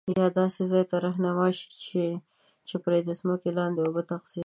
یا داسي ځاي ته رهنمایی شي چي پري د ځمکي دلاندي اوبه تغذیه شي